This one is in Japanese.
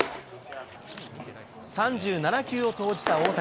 ３７球を投じた大谷。